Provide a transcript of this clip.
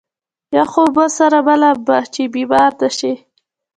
يخو اوبو سره مه لامبه چې بيمار نه شې.